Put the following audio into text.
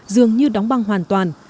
dường như đóng băng hoàn toàn